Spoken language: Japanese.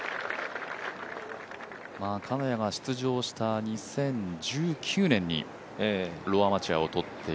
金谷が出場した２０１９年にローアマチュアをとっている。